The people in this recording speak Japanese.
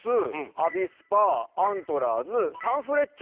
アビスパアントラーズサンフレッチェ。